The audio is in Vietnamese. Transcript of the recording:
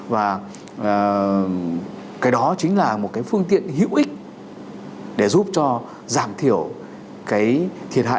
và cái đó chính là một cái phương tiện hữu ích để giúp cho giảm thiểu cái thiệt hại